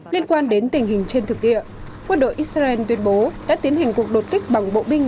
liên quan đến tình hình trên thực địa quân đội israel tuyên bố đã tiến hành cuộc đột kích bằng bộ binh